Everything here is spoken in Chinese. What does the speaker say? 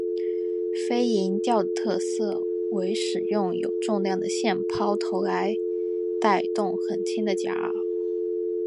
飞蝇钓的特色为使用有重量的线抛投来带动很轻的假饵。